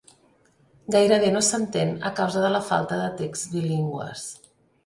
Gairebé no s'entén a causa de la falta de texts bilingües.